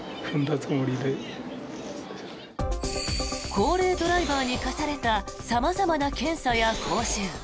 高齢ドライバーに課された様々な検査や講習。